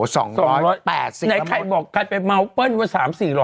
สองร้อยแปดสิบกะมะไหนใครบอกใครไปเม้าเปิ้ลว่าสามสี่ร้อย